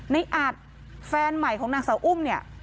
ในอัดแฟนใหม่ของนางสาวอุ้มเนี่ย